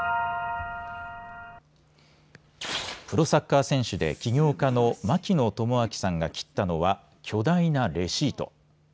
プロサッカー選手で起業家の槙野智章さんが切ったのは巨大なレシート。